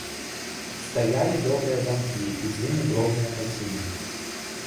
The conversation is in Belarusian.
Стаялі добрыя дамкі і з імі дробныя хаціны.